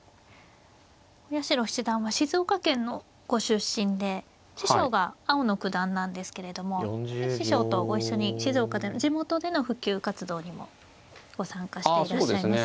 八代七段は静岡県のご出身で師匠が青野九段なんですけれども師匠とご一緒に静岡での地元での普及活動にも参加していらっしゃいますよね。